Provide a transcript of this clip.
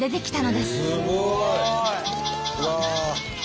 すごい！